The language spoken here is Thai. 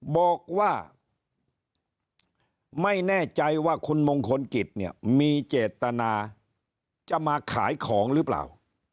บอกว่าไม่แน่ใจว่าคุณมงคลกิจเนี่ยมีเจตนาจะมาขายของหรือเปล่า